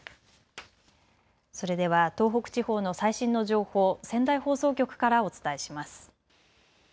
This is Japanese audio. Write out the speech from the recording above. それでは東北地方の最新の情報、仙台放送局からお伝えします。